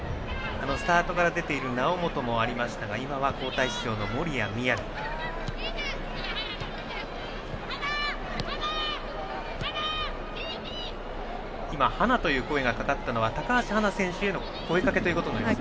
スタートから出ている猶本もありましたが今は交代出場の守屋都弥。はな！という声がかかったのは高橋はな選手への声かけとなります。